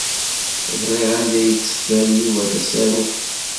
Ẓriɣ anda ay yetteffer Yuba tasarut.